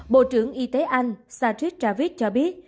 bộ trưởng y tế anh satish javid cho biết